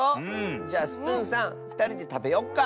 じゃあスプーンさんふたりでたべよっか。